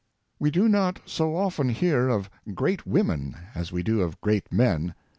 We do not so often hear of great women, as we do of great men.